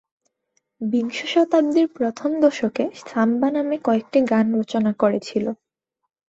বিংশ শতাব্দীর প্রথম দশকে সাম্বা নামে কয়েকটি গান রচনা করেছিল।